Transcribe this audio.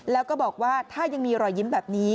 แล้วก็บอกว่าถ้ายังมีรอยยิ้มแบบนี้